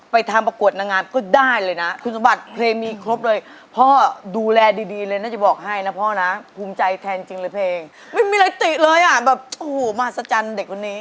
ไม่อ่านแบบโอ้โหมหัศจรรย์เด็กคนนี้